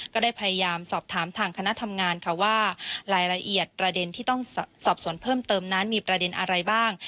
ก็ได้พยายามสอบถามทางคณะทำงานค่ะว่ารายละเอียดประเด็นที่ต้องสอบสวนเพิ่มเติมนั้นมีประเด็นอะไรบ้าง